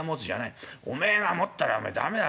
おめえが持ったらお前駄目だ。